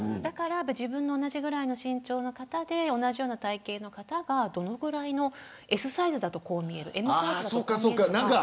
自分と同じぐらいの身長の方で同じような体形の方がどのくらいの、Ｓサイズだとこう見えるＭサイズだとこう見えるとか。